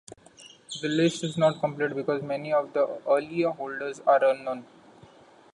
The list is not complete, because many of the earlier holders are unknown.